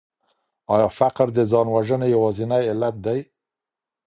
آيا فقر د ځان وژنې يوازينی علت دی؟